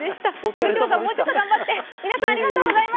福島さん、もうちょっと頑張って。